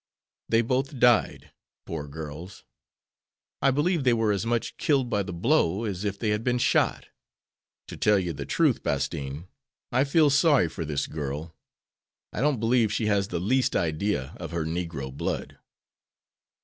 "They both died, poor girls. I believe they were as much killed by the blow as if they had been shot. To tell you the truth, Bastine, I feel sorry for this girl. I don't believe she has the least idea of her negro blood."